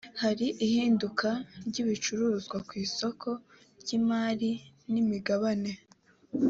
hari ihinduka ry’ibicuruzwa ku isoko ry’imari n’imigabane